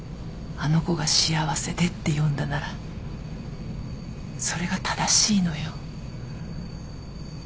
あの子が「幸せで」って読んだならそれが正しいのよ。